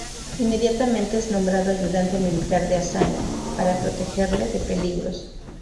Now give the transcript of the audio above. Inmediatamente es nombrado ayudante militar de Azaña, para protegerle de peligros.